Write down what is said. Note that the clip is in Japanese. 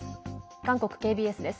韓国ＫＢＳです。